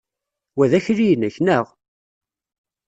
Wa d akli-inek, neɣ?